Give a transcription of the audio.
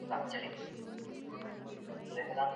د جینیوا کنوانسیون روغتونونو په اړه څه وایي؟